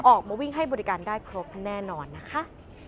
ออกมาวิ่งให้บริการได้ครบแน่นอนนะคะ